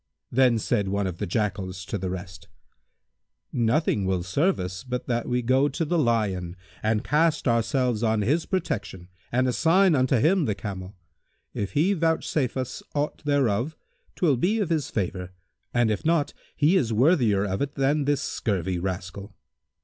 Then said one of the Jackals to the rest, "Nothing will serve us but that we go to the Lion and cast ourselves on his protection and assign unto him the camel. If he vouchsafe us aught thereof, 'twill be of his favour, and if not, he is worthier of it than this scurvy rascal."